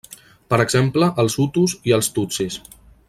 Per exemple els Hutus i els Tutsis.